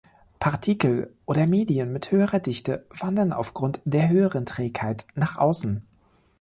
Partikel oder Medien mit höherer Dichte wandern aufgrund der höheren Trägheit nach außen.